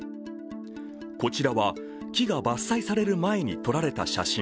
こちらは木が伐採される前に撮られた写真。